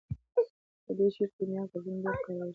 په دې شعر کې معیاري غږونه ډېر کارول شوي دي.